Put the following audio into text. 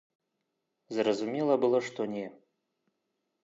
Зразумела было, што не.